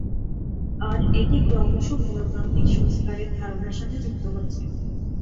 আর এটি ক্রমশ গণতান্ত্রিক সংস্কারের ধারণার সাথে যুক্ত হচ্ছে।